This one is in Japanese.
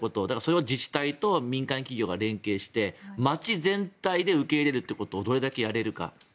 だから自治体と民間企業が連携して町全体で受け入れることをどれだけやれるか。